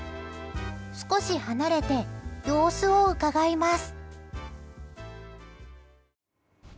少し離れて様子をうかがいます。